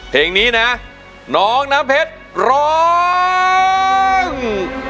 เพลงนี้นะน้องน้ำเพชรร้อง